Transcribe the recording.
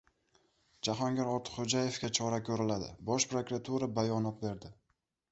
Jahongir Ortiqxo‘jayevga chora ko‘riladi. Bosh prokuratura bayonot berdi